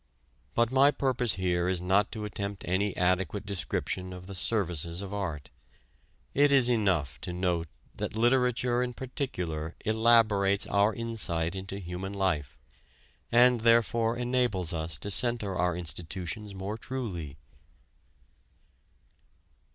But my purpose here is not to attempt any adequate description of the services of art. It is enough to note that literature in particular elaborates our insight into human life, and, therefore, enables us to center our institutions more truly.